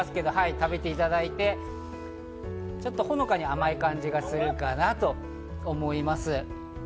食べていただいて、ほのかに甘い感じがするかなぁと思います。